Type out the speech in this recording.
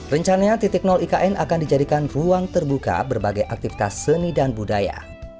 rencananya titik ikn akan dijadikan ruang terbuka berbagai aktivitas seni dan budaya